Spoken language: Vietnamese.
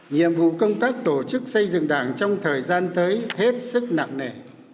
nhiệm vụ công tác tổ chức xây dựng đảng trong thời gian tới hết sức nặng nề